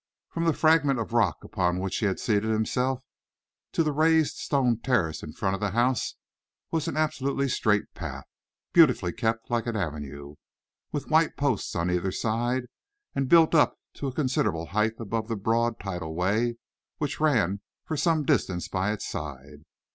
From the fragment of rock upon which he had seated himself, to the raised stone terrace in front of the house, was an absolutely straight path, beautifully kept like an avenue, with white posts on either side, and built up to a considerable height above the broad tidal way which ran for some distance by its side.